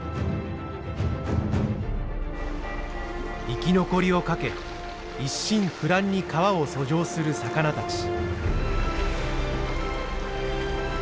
生き残りを懸け一心不乱に川を遡上する魚たち。